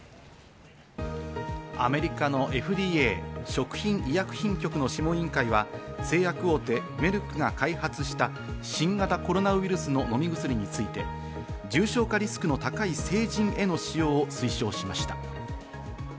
アメリカのＦＤＡ＝食品医薬品局の諮問委員会は製薬大手メルクが開発した新型コロナウイルスの飲み薬について、重症化リスクの高い成人への使用を推奨しました。